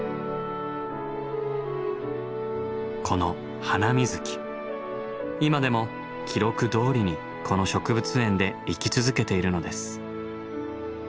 この今でも記録どおりにこの植物園で生き続けているのです。